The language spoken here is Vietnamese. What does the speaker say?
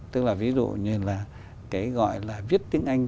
tức là ví dụ như là cái gọi là viết tiếng anh